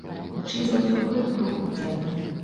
Хутчэй за ўсё, гэта было ў цэнтры.